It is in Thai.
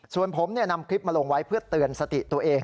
ส่วนผมนำคลิปมาลงไว้เพื่อเตือนสติตัวเอง